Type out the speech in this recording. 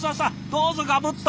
どうぞがぶっと。